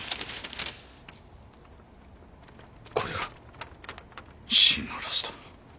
これが真のラスト！